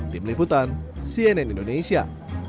tim liputan cnn indonesia